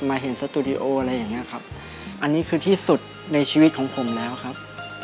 เห็นสตูดิโออะไรอย่างเงี้ยครับอันนี้คือที่สุดในชีวิตของผมแล้วครับ